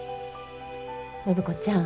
暢子ちゃん